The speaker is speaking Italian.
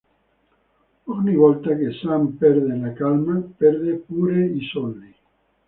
Ogni volta che Sam perde la calma, perde pure i soldi.